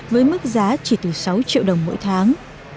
với mức giá chỉ từ sáu triệu đồng mỗi tháng